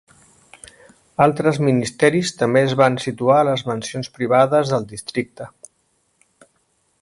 Altres ministeris també es van situar a les mansions privades del districte.